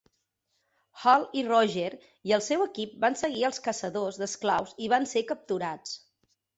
Hal i Roger i el seu equip van seguir els caçadors d'esclaus i van ser capturats.